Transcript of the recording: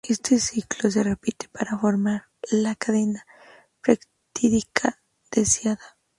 Este ciclo se repite para formar la cadena peptídica deseada.